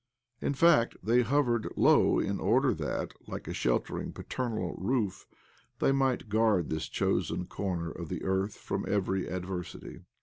In fact, they hovered low in order that, like a sheltering, paternal roof, they might guard this chosen corner of the earth from every adversity.